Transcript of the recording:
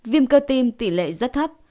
viêm cơ tim tỷ lệ rất thấp